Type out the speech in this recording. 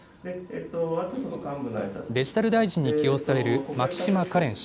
デジタル大臣に起用される牧島かれん氏。